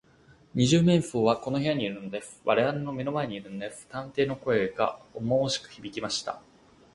「二十面相はこの部屋にいるのです。われわれの目の前にいるのです」探偵の声がおもおもしくひびきました。